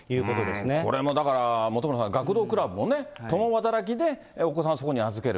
これもだから、本村さん、学童クラブもね、共働きでお子さんそこに預ける。